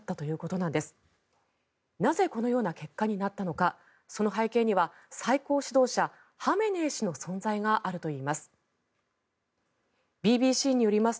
なぜこのような結果になったのかその背景には最高指導者ハメネイ師の存在があるといいます。